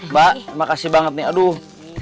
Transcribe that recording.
mbak terima kasih banget nih aduh